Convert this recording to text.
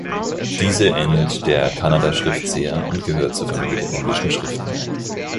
Diese ähnelt der Kannada-Schrift sehr und gehört zur Familie der indischen Schriften.